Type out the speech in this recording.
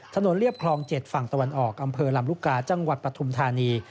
เรียบคลอง๗ฝั่งตะวันออกอำเภอลำลูกกาจังหวัดปฐุมธานี